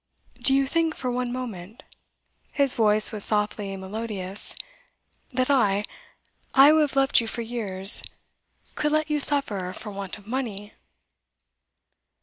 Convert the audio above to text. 'Do you think for one moment,' his voice was softly melodious, 'that I I who have loved you for years could let you suffer for want of money?